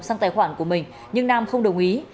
sang tài khoản của mình nhưng nam không đồng ý